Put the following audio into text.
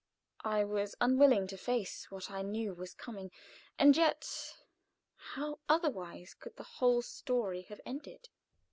I was unwilling to face what I knew was coming and yet, how otherwise could the whole story have ended?